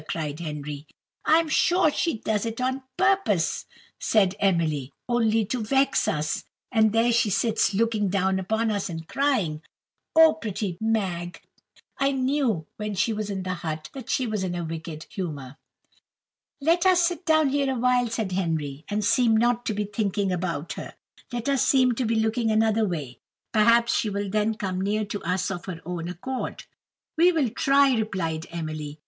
cried Henry. "I am sure she does it on purpose," said Emily, "only to vex us; and there she sits looking down upon us, and crying, 'Oh, pretty Mag!' I knew, when she was in the hut, that she was in a wicked humour." "Let us sit down here a little," said Henry, "and seem not to be thinking about her. Let us seem to be looking another way; perhaps she will then come near to us of her own accord." "We will try," replied Emily.